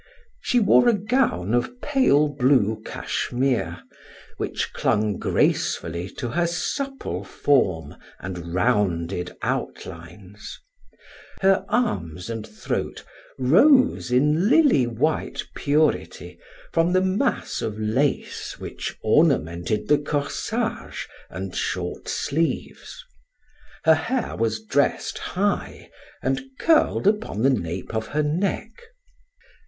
She wore a gown of pale blue cashmere which clung gracefully to her supple form and rounded outlines; her arms and throat rose in, lily white purity from the mass of lace which ornamented the corsage and short sleeves. Her hair was dressed high and curled on the nape of her neck.